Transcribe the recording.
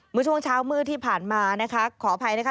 เมื่อช่วงเช้ามืดที่ผ่านมานะคะขออภัยนะคะ